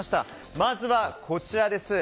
まずはこちらです。